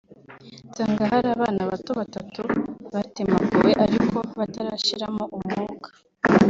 nsanga hari abana bato batatu batemaguwe ariko batarashiramo umwuka